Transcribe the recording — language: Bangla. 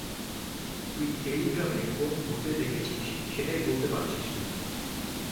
তুই টেলিগ্রামে কোন গ্রুপে দেখেছিস সেইটাই বলতে পারছিস না।